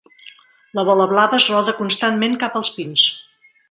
La bola blava es roda constantment cap als pins.